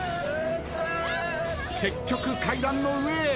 結局階段の上へ。